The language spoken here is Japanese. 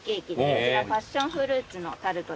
こちらパッションフルーツのタルトですね。